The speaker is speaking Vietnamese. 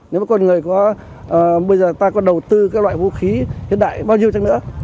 nếu mà con người bây giờ ta có đầu tư các loại vũ khí hiện đại bao nhiêu chẳng nữa